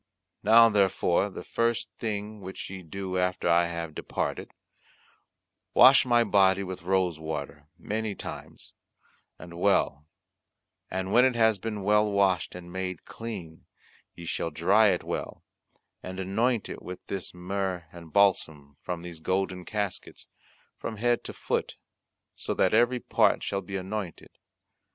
Now therefore the first thing which ye do after I have departed, wash my body with rose water many times and well, and when it has been well washed and made clean, ye shall dry it well, and anoint it with this myrrh and balsam, from these golden caskets, from head to foot, so that every part shall be anointed.